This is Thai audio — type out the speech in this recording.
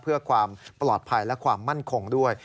เพื่อความปลอดภัยและความมั่นคงด้วย